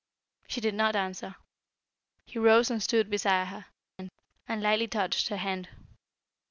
She did not answer. He rose and stood beside her, and lightly touched her hand.